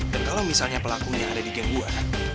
dan kalo misalnya pelakunya ada di geng gue